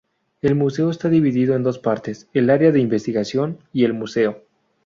El museo está dividido en dos partes: el área de investigación y el museo.